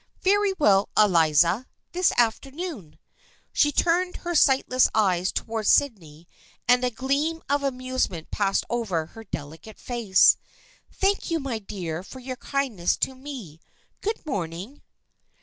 " Very well, Eliza, this afternoon." She turned her sightless eyes towards Sydney and a gleam of amusement passed over her delicate face. " Thank you, my dear, for your kindness to me. Good morning."